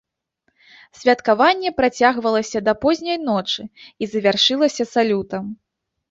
Святкаванне працягвалася да позняй ночы і завяршылася салютам.